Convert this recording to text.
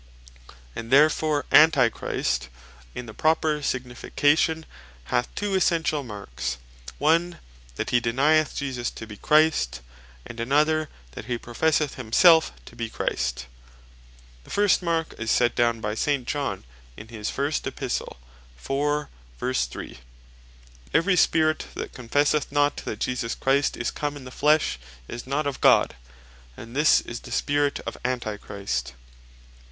And therefore Antichrist in the proper signification hath two essentiall marks; One, that he denyeth Jesus to be Christ; and another that he professeth himselfe to bee Christ. The first Mark is set down by S. John in his 1 Epist. 4. ch. 3. ver. "Every Spirit that confesseth not that Jesus Christ is come in the flesh, is not of God; And this is the Spirit of Antichrist."